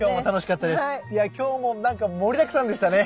いや今日もなんか盛りだくさんでしたね。